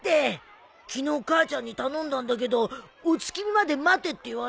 昨日母ちゃんに頼んだんだけどお月見まで待てって言われてよ。